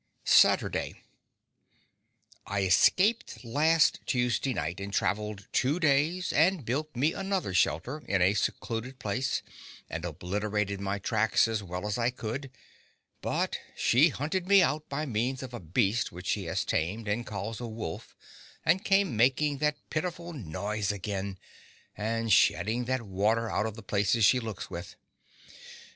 Saturday I escaped last Tuesday night, and travelled two days, and built me another shelter, in a secluded place, and obliterated my tracks as well as I could, but she hunted me out by means of a beast which she has tamed and calls a wolf, and came making that pitiful noise again, and shedding that water out of the places she looks with.